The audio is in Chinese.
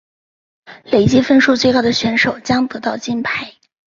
累积分数最高的选手将得到金牌。